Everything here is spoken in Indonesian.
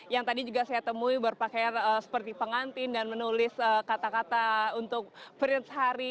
yang tadi juga saya temui berpakaian seperti pengantin dan menulis kata kata untuk prince harry